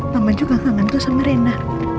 mama juga rindu rena